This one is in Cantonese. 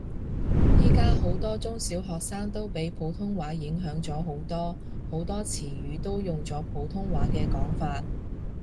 而家好多中小學生都俾普通話影響咗好多，好多詞語都用咗普通話嘅講法